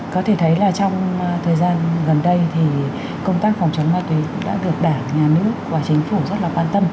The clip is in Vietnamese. có thể thấy trong thời gian gần đây công tác phòng chống ma túy đã được đảng nhà nước và chính phủ rất quan tâm